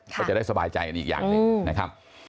ก็จะได้สบายใจกันอีกอย่างหนึ่งนะครับ